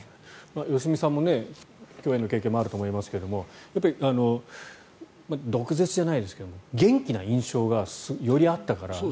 良純さんも共演の経験があると思いますが毒舌じゃないですけど元気な印象がよりあったから。